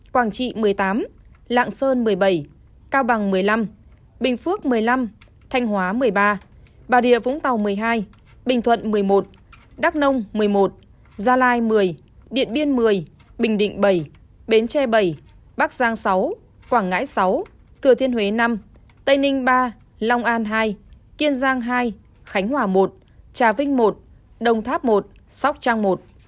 hai mươi quảng trị một mươi tám lạng sơn một mươi bảy cao bằng một mươi năm bình phước một mươi năm thanh hóa một mươi ba bà địa vũng tàu một mươi hai bình thuận một mươi một đắk nông một mươi một gia lai một mươi điện biên một mươi bình định bảy bến tre bảy bắc giang sáu quảng ngãi sáu thừa thiên huế năm tây ninh ba long an hai kiên giang hai khánh hòa một trà vinh một đồng tháp một sóc trang một